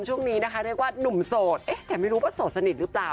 ช่วงนี้นะคะเรียกว่าหนุ่มโสดแต่ไม่รู้ว่าโสดสนิทหรือเปล่า